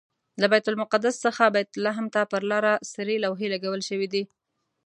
له بیت المقدس څخه بیت لحم ته پر لاره سرې لوحې لګول شوي دي.